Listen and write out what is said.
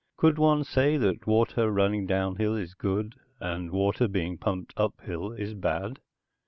Could one say that water running down hill is good, and water being pumped up hill is bad?